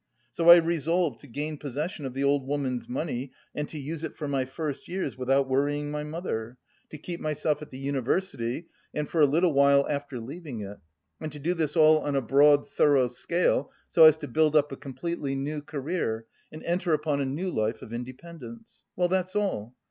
So I resolved to gain possession of the old woman's money and to use it for my first years without worrying my mother, to keep myself at the university and for a little while after leaving it and to do this all on a broad, thorough scale, so as to build up a completely new career and enter upon a new life of independence.... Well... that's all....